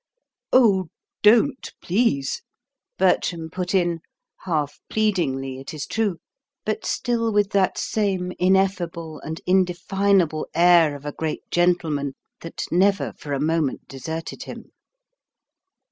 "Oh, don't, please," Bertram put in, half pleadingly, it is true, but still with that same ineffable and indefinable air of a great gentleman that never for a moment deserted him.